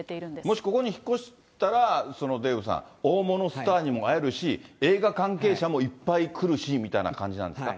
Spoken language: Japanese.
もしここに引っ越したら、デーブさん、大物スターにも会えるし、映画関係者もいっぱい来るしみたいな感じなんですか？